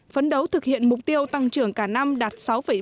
phấn đấu thực hiện mục tiêu tăng trưởng cả năm đạt sáu bảy